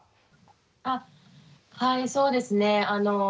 あっはいそうですね。